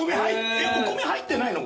お米入ってないの？